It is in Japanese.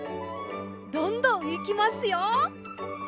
どんどんいきますよ。